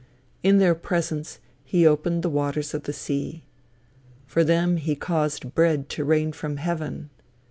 In their presence he opened the waters of the sea. For them he caused bread to rain from heaven.